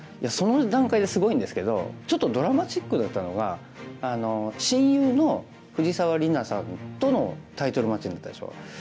その段階ですごいんですけどちょっとドラマチックだったのが親友の藤沢里菜さんとのタイトルマッチになったでしょ。